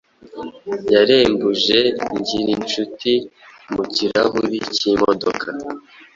yarembuje Ngirincuti mu kirahuri cy'imodoka